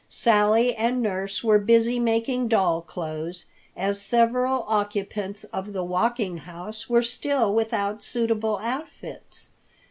Sally and nurse were busy making doll clothes, as several occupants of the Walking House were still without suitable outfits.